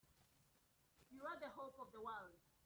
You're the hope of the world!